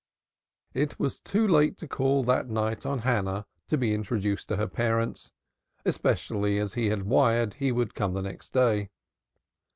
It was too late to call that night on Hannah to be introduced to her parents, especially as he had wired he would come the next day.